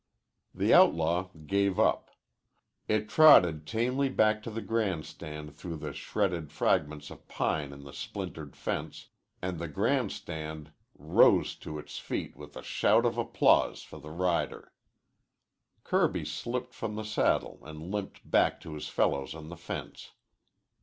The outlaw gave up. It trotted tamely back to the grand stand through the shredded fragments of pine in the splintered fence, and the grand stand rose to its feet with a shout of applause for the rider. Kirby slipped from the saddle and limped back to his fellows on the fence.